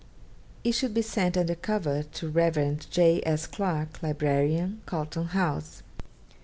It should be sent under cover to the Rev. J. S. Clarke, Librarian, Carlton House.